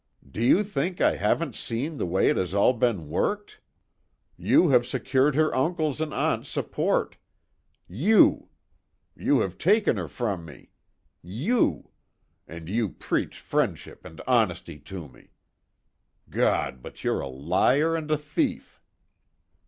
Do you think I haven't seen the way it has all been worked? You have secured her uncle's and aunt's support. You! You have taken her from me! You! And you preach friendship and honesty to me. God, but you're a liar and a thief!"